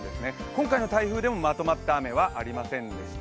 今回の台風でもまとまった雨はありませんでした。